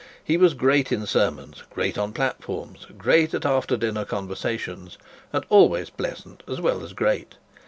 He was great in sermons, great on platforms, great at after dinner conversations, and always pleasant as well as great.